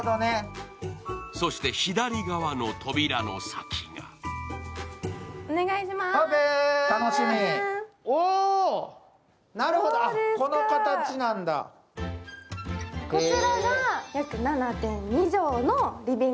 そして左側の扉の先がオープン。